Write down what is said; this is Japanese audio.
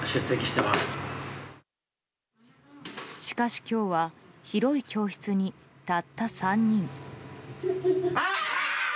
しかし今日は広い教室に、たった３人。